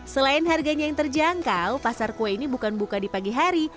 selain harganya yang terjangkau pasar kue ini bukan buka di pagi hari